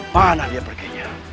mana dia pergi